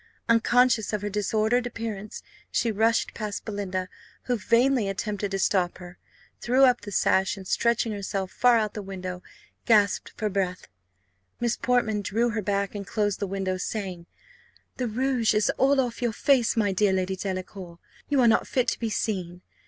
Unconscious of her disordered appearance, she rushed past Belinda, who vainly attempted to stop her, threw up the sash, and stretching herself far out of the window, gasped for breath. Miss Portman drew her back, and closed the window, saying, "The rouge is all off your face, my dear Lady Delacour; you are not fit to be seen.